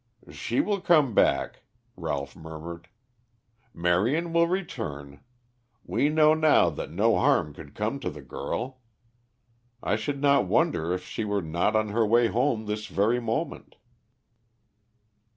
"She will come back," Ralph murmured. "Marion will return. We know now that no harm could come to the girl. I should not wonder if she were not on her way home this very moment."